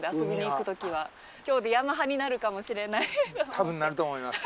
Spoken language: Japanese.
多分なると思います。